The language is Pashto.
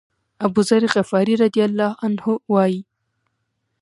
أبوذر غفاري رضی الله عنه وایي.